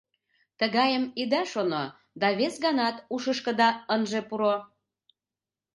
Тыгайым ида шоно да вес ганат ушышкыда ынже пуро.